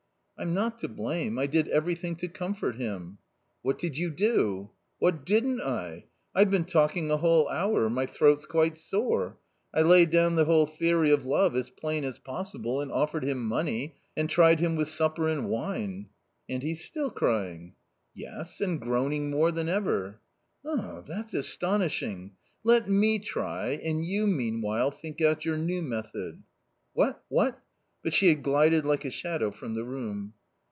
" I'm not to blame; I did everything to comfort him." " What did you do ?"" What didn't I ? I've been talking a whole hour — my throat's quite sore. I laid down the whole theory of love as plain as possible — and offered him money — and tried him with supper and wine." u And he's still crying." " Yes, and groaning more than ever." u That's astonishing ! Let me try, and you meanwhile ' t think out your new method." n " What, what ?" fiut she had glided like a shadow from the room.